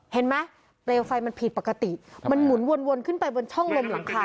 เห็นไหมเปลวไฟมันผิดปกติมันหมุนวนขึ้นไปบนช่องลมหลังคา